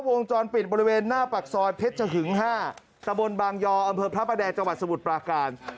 วงจรปิดบริเวณหน้าปากซอยเพชรหึง๕ตะบนบางยออำเภอพระประแดงจังหวัดสมุทรปราการ